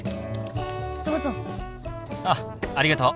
あっありがとう。